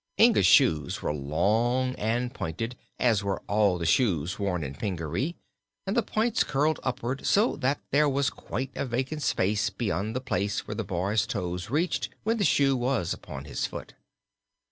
Inga's shoes were long and pointed, as were all the shoes worn in Pingaree, and the points curled upward, so that there was quite a vacant space beyond the place where the boy's toes reached when the shoe was upon his foot.